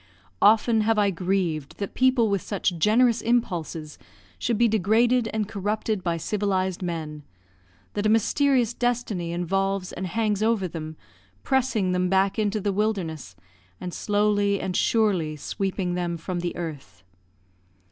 Often have I grieved that people with such generous impulses should be degraded and corrupted by civilised men; that a mysterious destiny involves and hangs over them, pressing them back into the wilderness, and slowly and surely sweeping them from the earth.